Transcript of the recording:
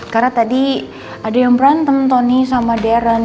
karena tadi ada yang berantem tony sama darren